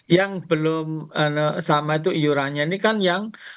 yang belum sama itu iurannya ini kan yang